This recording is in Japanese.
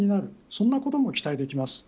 そんなことも期待できます。